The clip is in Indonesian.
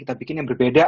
kita bikin yang berbeda